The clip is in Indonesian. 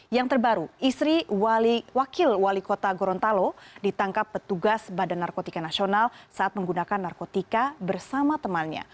yang terbaru istri wakil wali kota gorontalo ditangkap petugas badan narkotika nasional saat menggunakan narkotika bersama temannya